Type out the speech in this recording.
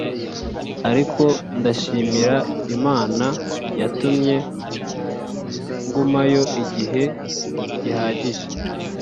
ariko ndashimira imana yatumye ngumayo igihe gihagije